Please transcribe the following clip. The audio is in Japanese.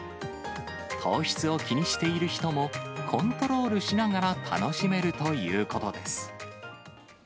糖質を気にしている人も、コントロールしながら楽しめるということです。